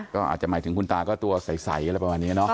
ก็อาจจะหมายถึงคุณตาก็ตัวใสอะไรประมาณนี้เนาะ